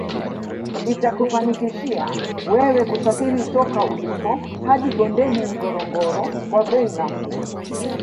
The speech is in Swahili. Itakufanikishia wewe kusafiri toka ulipo hadi bondeni Ngorongoro kwa bei nafuu